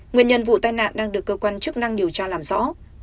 nguyên nhân vụ tai nạn đang được cơ quan chức năng điều tra làm rõ